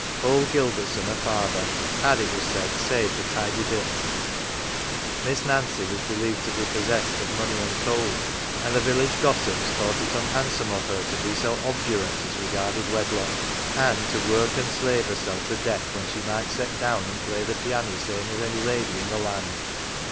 Old Gilbertson, her father, had, it was said, saved a tidy bit, Miss Nancy was believed to be possessed of money untold, and the village gossips thought it unhandsome of her to be so obdurate as regarded wedlock, and "to work and slave herseF to death when she might set down and play the pianney same as any lady T th 1 land.""